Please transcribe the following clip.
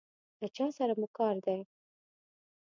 له چا سره مو کار دی؟